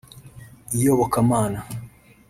iyobokamana